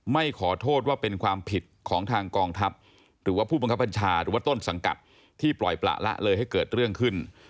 ไม่ขอโทษว่าเป็นความผิดของทางกองทัพหรือว่าผู้บังคับบัญชาหรือว่าต้นสังกัดที่ปล่อยประละเลยให้เกิดเรื่องขึ้น